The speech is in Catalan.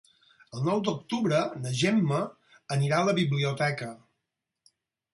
El nou d'octubre na Gemma anirà a la biblioteca.